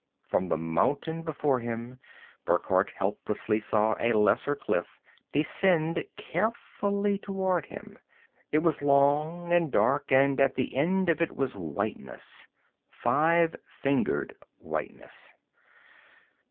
From the mountain before him, Burckhardt helplessly saw a lesser cliff descend carefully toward him. It was long and dark, and at the end of it was whiteness, five fingered whiteness....